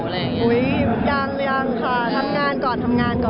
ยังยังค่ะทำงานก่อนทำงานก่อน